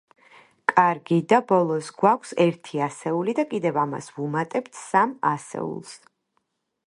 კარგი, და ბოლოს, გვაქვს ერთი ასეული და კიდევ ამას ვუმატებთ სამ ასეულს.